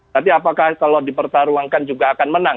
tapi apakah kalau dipertaruhkan juga akan menang